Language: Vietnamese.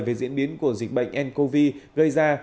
về diễn biến của dịch bệnh ncov gây ra